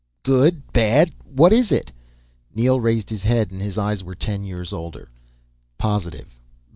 "Good? Bad? What is it?" Neel raised his head and his eyes were ten years older. "Positive.